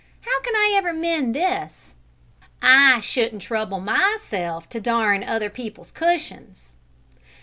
How can I ever mend this?" "I shouldn't trouble myself to darn other people's cushions!"